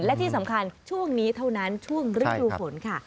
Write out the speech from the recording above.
และที่สำคัญช่วงนี้เท่านั้นช่วงฤดูฝนค่ะ